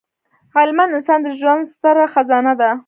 علمد انسان د ژوند ستره خزانه ده.